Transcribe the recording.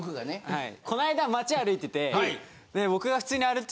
はい。